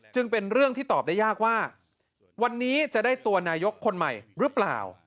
เป็นเรื่องที่ตอบได้ยากว่าวันนี้จะได้ตัวนายกคนใหม่หรือเปล่า